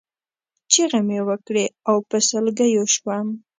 چغې مې وکړې او په سلګیو شوم.